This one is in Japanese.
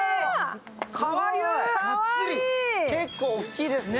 結構大きいですね。